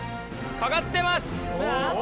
かかってます！